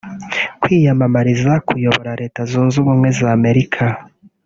Kwiyamamariza kuyobora Leta Zunze Ubumwe za Amerika